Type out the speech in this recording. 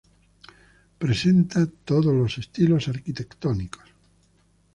Presenta todos los estilos arquitectónicos.